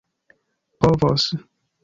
povos